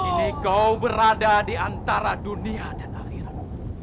ini kau berada di antara dunia dan akhirat